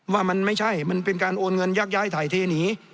ว่ามันไม่ใช่มันเป็นการโอนเงินยักย้ายถ่ายเทหนี